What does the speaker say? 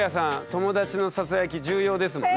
友達のささやき重要ですもんね。